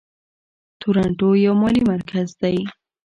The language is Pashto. تورنټو یو مالي مرکز دی.